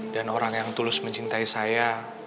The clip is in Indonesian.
dan orang yang tulus mencintai saya